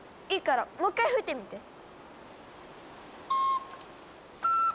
いいからもう一回吹いてみて。